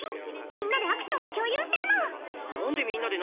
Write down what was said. みんなでアクションを共有してるの。